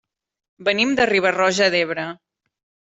Venim de Riba-roja d'Ebre.